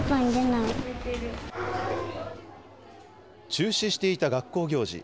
中止していた学校行事。